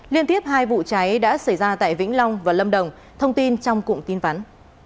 liên tiếp hai vụ cháy đã xảy ra tại vĩnh long và lâm đồng thông tin trong cụm tin vắn